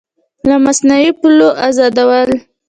له مصنوعي پولو ازادول